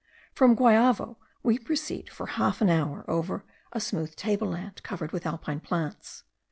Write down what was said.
From Guayavo we proceed for half an hour over a smooth table land, covered with alpine plants.